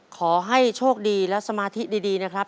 ขอให้โชคดีและสมาธิดีนะครับ